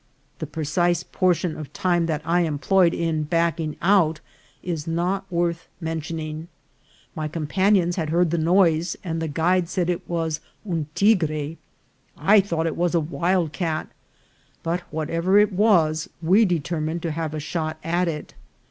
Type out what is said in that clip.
The precise portion of time that I employed in backing out is not worth mentioning. My companions had heard the noise, and the guide said it was " un tigre." I thought it was a wildcat; but, whatever it was, we determined to have a shot at it.